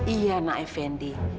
iya nek fendi